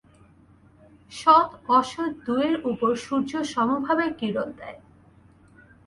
সৎ অসৎ দুয়েরই উপর সূর্য সমভাবে কিরণ দেয়।